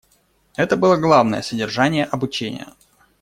Это было главное содержание обучения.